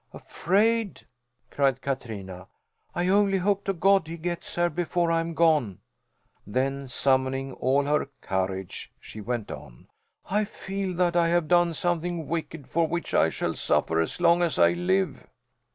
"Afraid!" cried Katrina. "I only hope to God he gets here before I'm gone!" Then, summoning all her courage, she went on: "I feel that I have done something wicked for which I shall suffer as long as I live."